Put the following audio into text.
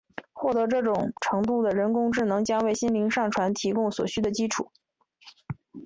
获得这种程度的人工智能将为心灵上传提供所需的基础。